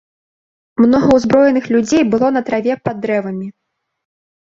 Многа ўзброеных людзей было на траве пад дрэвамі.